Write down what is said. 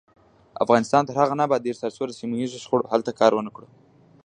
افغانستان تر هغو نه ابادیږي، ترڅو د سیمه ییزو شخړو حل ته کار ونکړو.